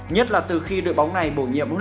nhất là từ khi đội bóng này bổ nhiệm